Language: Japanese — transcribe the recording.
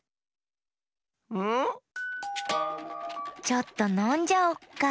ちょっとのんじゃおっか！